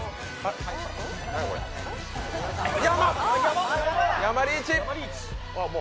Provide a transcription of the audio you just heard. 山リーチ！